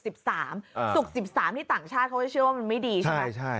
ศุกร์๑๓ที่ต่างชาติเขาจะเชื่อว่ามันไม่ดีใช่ไหม